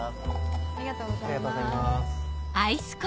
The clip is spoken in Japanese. ありがとうございます。